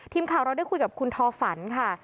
ทีมข่าวเราได้คุยกับคุณทอฝันค่ะ